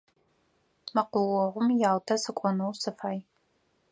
Мэкъуогъум Ялтэ сыкӏонэу сыфай.